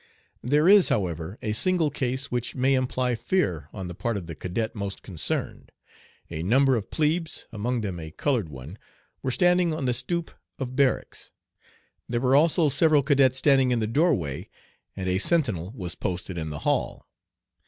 There is, however, a single case which may imply fear on the part of the cadet most concerned. A number of plebes, among them a colored one, were standing on the stoop of barracks. There were also several cadets standing in the doorway, and a sentinel was posted in the hall.